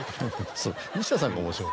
そう西田さんが面白い。